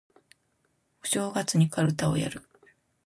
お正月にかるたをやる